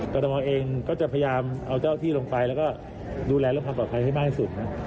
กรทมเองก็จะพยายามเอาเจ้าที่ลงไปแล้วก็ดูแลและพักปลอดภัยให้มากที่สุด